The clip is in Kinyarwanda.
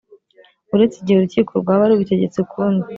Uretse igihe urukiko rwaba rubitegetse ukundi